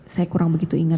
saya kurang begitu ingat